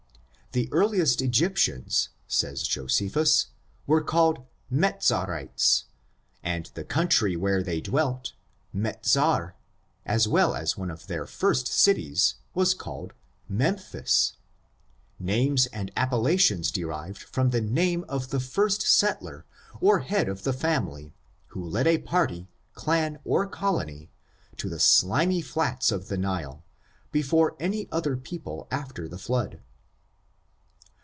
The earliest Egyptians, says Josephus, were called Mezarites, and the country where they dwelt, Mezar, as well as one of their ^r5/ cities was called Memphis — names and appellations derived from the name of the first set tler, or head of the family, who led a party, clan, or colony, to the slimy flats of the Nile, before any oth er people after the flood.